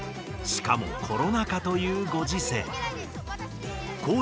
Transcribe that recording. しかもコロナ禍というごじせい。